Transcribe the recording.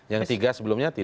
yang tiga sebelumnya tidak